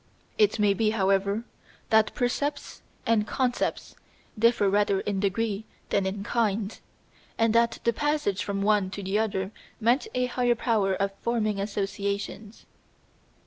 It may be, however, that "percepts" and "concepts" differ rather in degree than in kind, and that the passage from one to the other meant a higher power of forming associations.